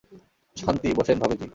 শান্তি, বসেন, ভাবী জি।